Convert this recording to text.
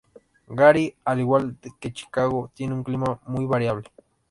Gary, al igual que Chicago, tiene un clima muy variable.